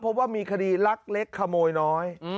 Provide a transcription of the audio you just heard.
เพราะว่ามีคดีลักเล็กขโมยน้อย